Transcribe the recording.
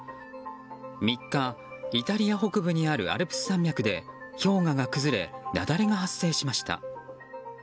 ３日、イタリア北部にあるアルプス山脈で氷河が崩れ雪崩が発生しました。